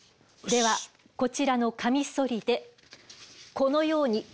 ではこちらのカミソリでこのように。